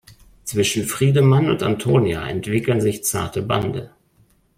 Zwischen Friedemann und Antonia entwickeln sich zarte Bande.